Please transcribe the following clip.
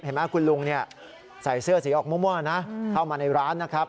เห็นไหมคุณลุงใส่เสื้อสีออกมั่วนะเข้ามาในร้านนะครับ